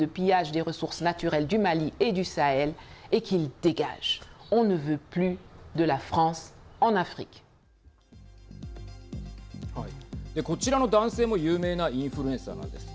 で、こちらの男性も有名なインフルエンサーなんです。